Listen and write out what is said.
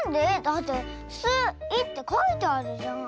だって「ス・イ」ってかいてあるじゃん。